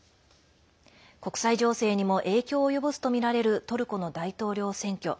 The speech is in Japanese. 国際情勢にも影響を及ぼすとみられるトルコの大統領選挙。